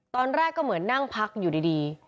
ตอนแรกก็เหมือนนั่งพักอยู่ดี